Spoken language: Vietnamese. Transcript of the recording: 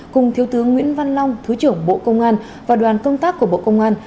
cùng thiếu tướng nguyễn văn long thứ trưởng bộ công an và đoàn công tác của bộ công an